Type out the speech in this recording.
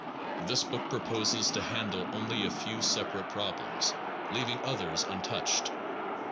This book proposes to handle only a few separate problems, leaving others untouched.